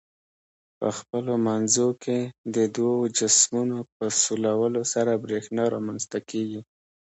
په خپلو منځو کې د دوو جسمونو په سولولو سره برېښنا رامنځ ته کیږي.